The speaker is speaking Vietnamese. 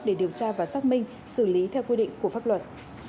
để điều tra và xác minh xử lý theo quy định của pháp luật